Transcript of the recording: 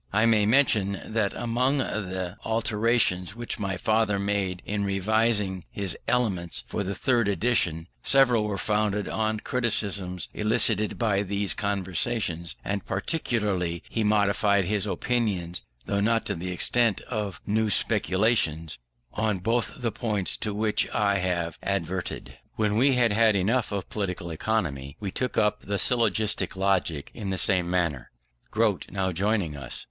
I may mention that among the alterations which my father made in revising his Elements for the third edition, several were founded on criticisms elicited by these conversations; and in particular he modified his opinions (though not to the extent of our new speculations) on both the points to which I have adverted. When we had enough of political economy, we took up the syllogistic logic in the same manner, Grote now joining us.